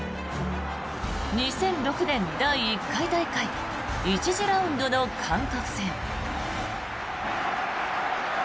２００６年、第１回大会１次ラウンドの韓国戦。